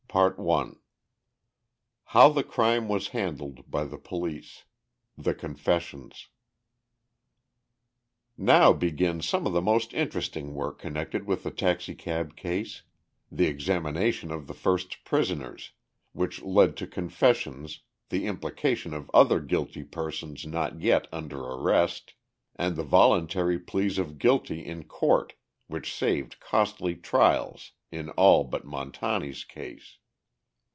CHAPTER III HOW THE CRIME WAS HANDLED BY THE POLICE—THE CONFESSIONS Now begins some of the most interesting work connected with the taxicab case—the examination of the first prisoners, which led to confessions, the implication of other guilty persons not yet under arrest, and the voluntary pleas of guilty in court which saved costly trials in all but Montani's case.